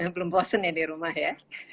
belum bosen ya di rumah ya